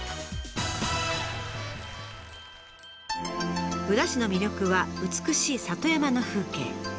宇陀市の魅力は美しい里山の風景。